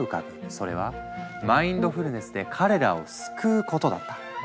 それは「マインドフルネスで彼らを救う」ことだった。